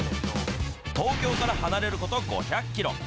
東京から離れること５００キロ。